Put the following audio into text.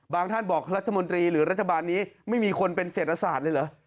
ท่านบอกรัฐมนตรีหรือรัฐบาลนี้ไม่มีคนเป็นเศรษฐศาสตร์เลยเหรอ